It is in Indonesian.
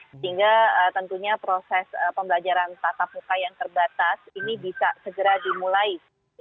sehingga tentunya proses pembelajaran tatap muka yang terbatas ini bisa segera dimulai